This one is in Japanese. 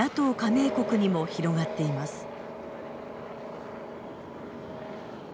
加盟国にも広がっています。